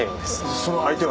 その相手は？